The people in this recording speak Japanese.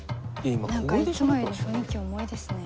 何かいつもより雰囲気重いですね。